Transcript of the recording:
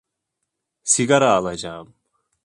Sigara alacağım.